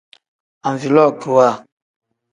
Anvilookiwa.